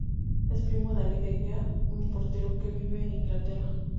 Es primo David de Gea, un portero que vive en inglaterra.